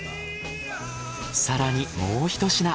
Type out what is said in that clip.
更にもうひと品。